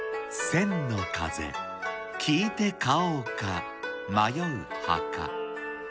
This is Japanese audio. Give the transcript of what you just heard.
千の風きいて買おうか迷う墓。